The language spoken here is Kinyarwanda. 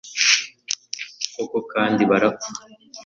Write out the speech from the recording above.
koko kandi barapfa